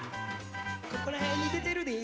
ここら辺に出てるで。